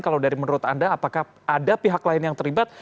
kalau dari menurut anda apakah ada pihak lain yang terlibat